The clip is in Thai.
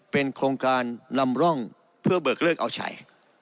เป็นโครงการนำร่องเพื่อเบิกเลิกเอาใช้